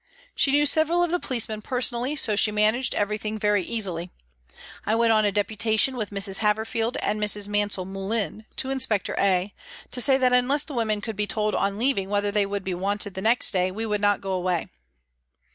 She knew several of the policeman personally, so she managed every thing very easily. I went on a deputation with Mrs. Haverfield and Mrs. Mansell Moulin to Inspector A , to say that unless the women could be told on leaving whether they would be wanted the next day, they would not go away.